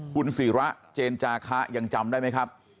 คุณศิระเจนจาคะยังจำได้ไหมครับ